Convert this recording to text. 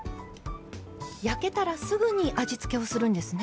焼けたらすぐに味付けをするんですね。